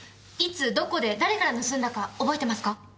いつどこで誰から盗んだか覚えてますか？